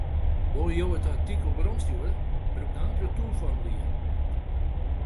Wolle jo it artikel weromstjoere, brûk dan it retoerformulier.